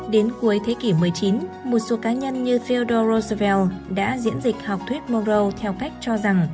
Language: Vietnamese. đến cuối thế kỷ một mươi chín một số cá nhân như theodore roosevelt đã diễn dịch học thuyết monroe theo cách cho rằng